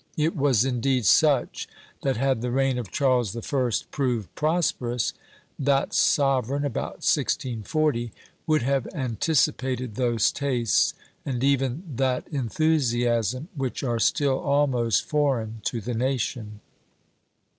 It was indeed such, that had the reign of Charles the First proved prosperous, that sovereign about 1640 would have anticipated those tastes, and even that enthusiasm, which are still almost foreign to the nation.